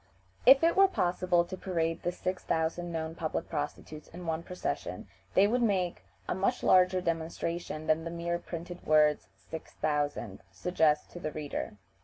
If it were possible to parade the six thousand known public prostitutes in one procession, they would make a much larger demonstration than the mere printed words "six thousand" suggest to the reader.